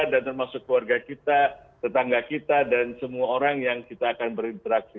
dan termasuk keluarga kita tetangga kita dan semua orang yang kita akan berinteraksi